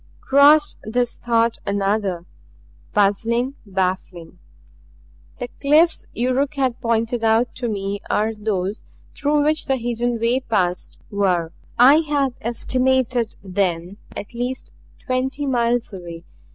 Crossed this thought another puzzling, baffling. The cliffs Yuruk had pointed out to me as those through which the hidden way passed were, I had estimated then, at least twenty miles away.